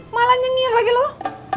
malah nyengir lagi loh